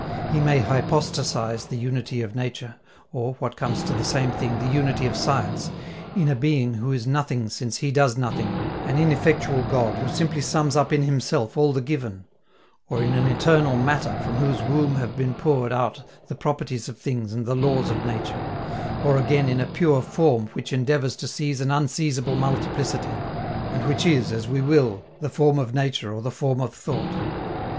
He may hypostasize the unity of nature, or, what comes to the same thing, the unity of science, in a being who is nothing since he does nothing, an ineffectual God who simply sums up in himself all the given; or in an eternal Matter from whose womb have been poured out the properties of things and the laws of nature; or, again, in a pure Form which endeavors to seize an unseizable multiplicity, and which is, as we will, the form of nature or the form of thought.